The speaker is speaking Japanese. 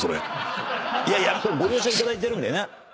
ご了承いただいてるんだよな？